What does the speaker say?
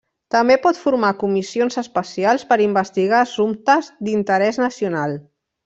També pot formar comissions especials per investigar assumptes d'interès nacional.